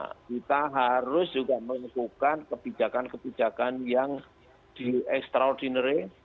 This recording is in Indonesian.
kita harus juga menemukan kebijakan kebijakan yang extraordinary